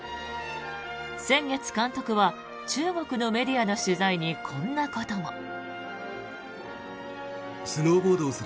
先月、監督は中国のメディアの取材にこんなことも。